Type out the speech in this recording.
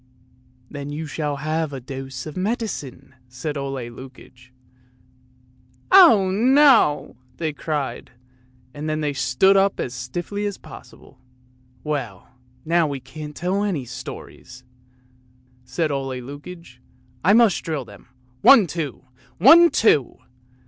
"" Then you shall have a dose of medicine," said Ole Lukoie. "Oh, no!" they cried, and then they stood up as stiffly as possible. "Well, now we can't tell any stories!" said Ole Lukoie. " I must drill them! One, two! One, two!